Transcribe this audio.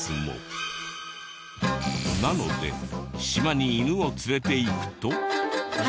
なので島に犬を連れて行くと。